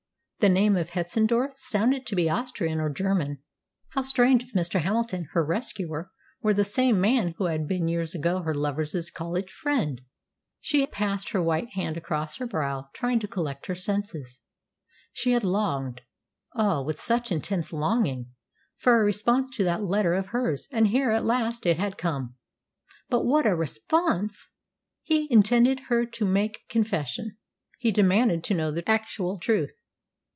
The name of Hetzendorf sounded to be Austrian or German. How strange if Mr. Hamilton her rescuer were the same man who had been years ago her lover's college friend! She passed her white hand across her brow, trying to collect her senses. She had longed ah, with such an intense longing! for a response to that letter of hers, and here at last it had come. But what a response! He intended her to make confession. He demanded to know the actual truth.